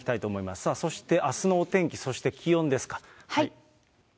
そしてあすのお天気、そして気温ですか。